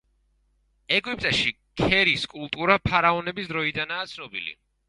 ეგვიპტეში ქერის კულტურა ფარაონების დროიდანაა ცნობილი.